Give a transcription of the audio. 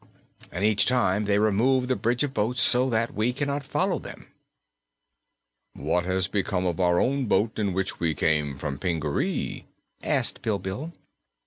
And each time they removed the bridge of boats, so that we could not follow them." "What has become of our own boat, in which we came from Pingaree?" asked Bilbil.